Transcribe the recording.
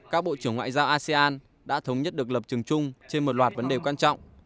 các bộ trưởng ngoại giao asean đã thống nhất được lập trường chung trên một loạt vấn đề quan trọng